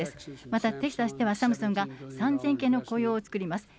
またテキサスではサムスンが３０００件の雇用を作ります。